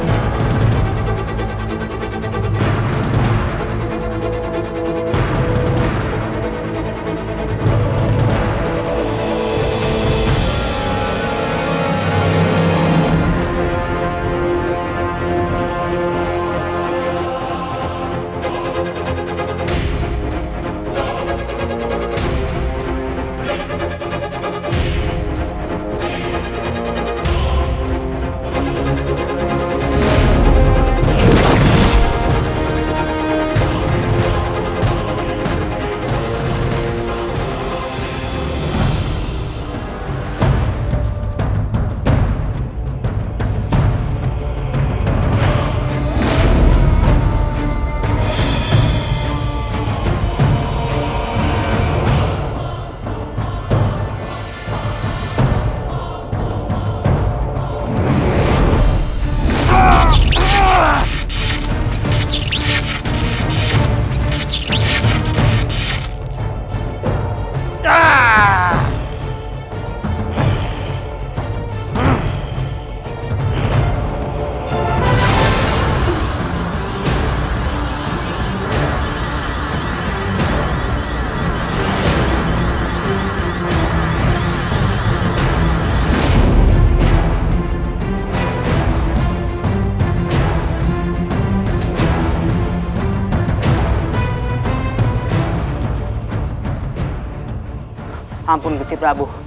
ampun mbok si prabu